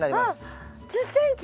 あっ１０ｃｍ。